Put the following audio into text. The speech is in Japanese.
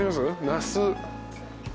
那須。